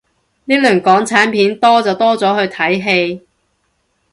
呢輪港產片多就多咗去睇戲